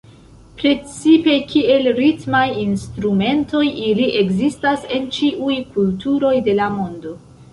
Precipe kiel ritmaj instrumentoj ili ekzistas en ĉiuj kulturoj de la mondo.